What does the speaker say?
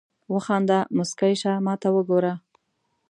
وخانده مسکی شه ماته وګوره